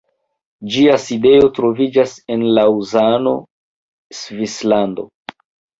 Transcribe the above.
Ĝia sidejo troviĝas en Laŭzano, Svislando.